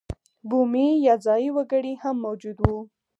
بومي یا ځايي وګړي هم موجود وو.